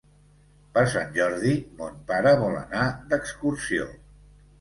Per Sant Jordi mon pare vol anar d'excursió.